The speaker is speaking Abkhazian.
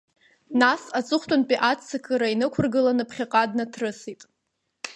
Нас, аҵыхәтәантәи аццакыра ины-қәыргыланы, ԥхьаҟа днаҭрысит.